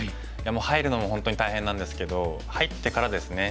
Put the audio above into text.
入るのも本当に大変なんですけど入ってからですね。